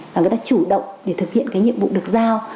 và người ta chủ động để thực hiện cái nhiệm vụ được giao